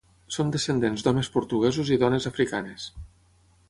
Són descendents d'homes portuguesos i dones africanes.